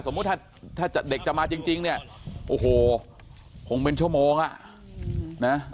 ถ้าถ้าเด็กจะมาจริงเนี่ยโอ้โหคงเป็นชั่วโมงอ่ะนะ